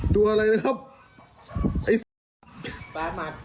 ไปหมัด